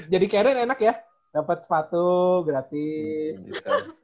jadi karen enak ya dapet sepatu gratis